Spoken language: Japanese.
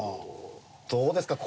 どうですか？